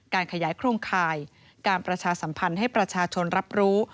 การขยายโครงข่ายการประชาสัมพันธ์ให้ประชาชนรับรู้